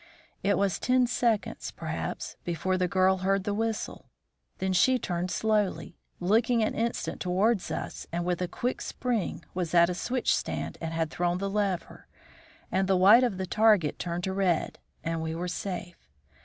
It was ten seconds, perhaps, before the girl heard the whistle; then she turned slowly, looking an instant towards us, and, with a quick spring, was at a switch stand and had thrown the lever, and the white of the target turned to red and we were safe.